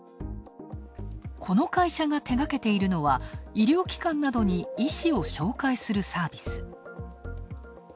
この会社が手がけているのは医療機関などに医師を紹介するサービス。